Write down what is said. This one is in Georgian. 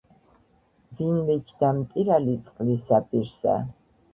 ვინმე ჯდა მტირალი წყლისა პირსა